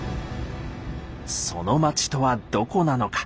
その街とはどこなのか。